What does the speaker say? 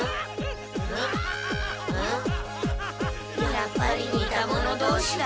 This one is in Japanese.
やっぱり似た者同士だ。